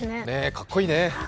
かっこいいね。